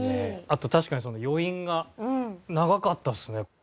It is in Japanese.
あと確かに余韻が長かったですね。